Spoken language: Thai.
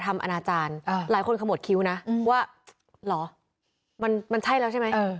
มันใช่แล้วใช่ไหม